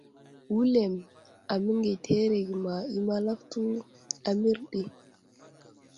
Wulem aməŋgeterege ma I malafto a mərɗi.